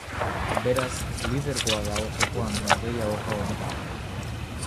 Beraz, lidergoa dago jokoan norgehiagoka honetan.